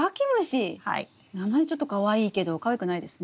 名前ちょっとかわいいけどかわいくないですね。